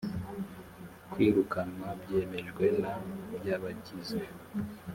kwirukanwa byemejwe na by abagize